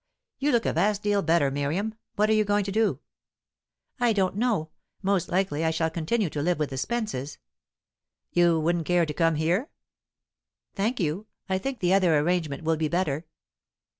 You look a vast deal better, Miriam. What are you going to do?" "I don't know. Most likely I shall continue to live with the Spences." "You wouldn't care to come here?" "Thank you; I think the other arrangement will be better."